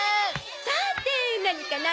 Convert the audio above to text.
さて。何かな？